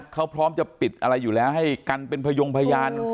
เขาพร้อมจะปิดอะไรอยู่แล้วให้กันเป็นพยงพยาน